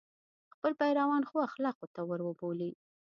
خپل پیروان ښو اخلاقو ته وروبولي.